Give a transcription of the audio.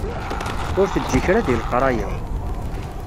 Ur teǧǧi kra deg leqraya.